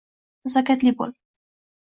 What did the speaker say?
Nazokatli bo‘l.